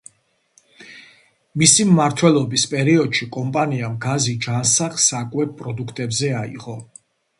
მისი მმართველობის პერიოდში კომპანიამ გეზი ჯანსაღ საკვებ პროდუქტებზე აიღო.